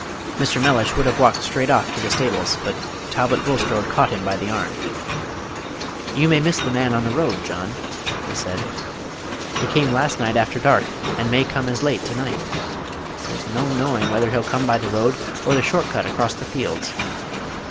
Mr. Mellish would have walked straight off to the stables; but Talbot Bulstrode caught him by the arm. "You may miss the man on the road, John," he said. "He came last night after dark, and may come as late to night. There's no knowing whether he'll come by the road, or the short cut across the fields.